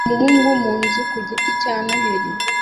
Umuhungu mu nzu ku giti cya Noheri